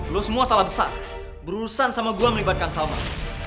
lo semua salah besar berurusan sama gue melibatkan salman